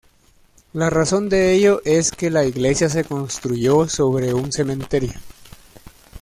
La razón de ello es que la iglesia se construyó sobre un cementerio.